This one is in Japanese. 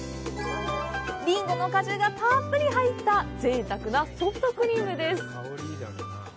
リンゴの果汁がたっぷり入ったぜいたくなソフトクリームです！